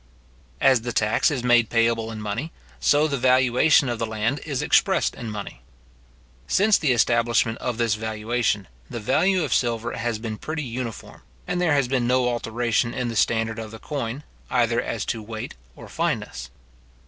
As the tax is made payable in money, so the valuation of the land is expressed in money. Since the establishment of this valuation, the value of silver has been pretty uniform, and there has been no alteration in the standard of the coin, either as to weight or fineness.